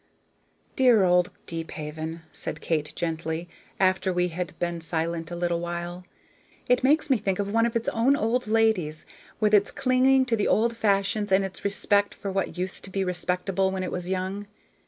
"Dear old Deephaven!" said Kate, gently, after we had been silent a little while. "It makes me think of one of its own old ladies, with its clinging to the old fashions and its respect for what used to be respectable when it was young.